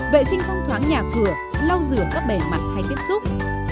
năm vệ sinh không thoáng nhà cửa lau rửa các bề mặt hay tiếp xúc